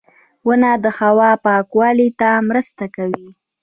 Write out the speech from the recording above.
• ونه د هوا پاکوالي ته مرسته کوي.